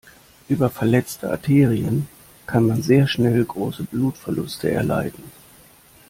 Über verletzte Arterien kann man sehr schnell große Blutverluste erleiden.